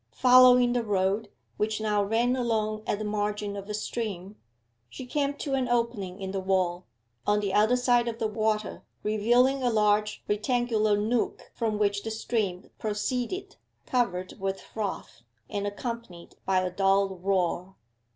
Following the road, which now ran along at the margin of the stream, she came to an opening in the wall, on the other side of the water, revealing a large rectangular nook from which the stream proceeded, covered with froth, and accompanied by a dull roar.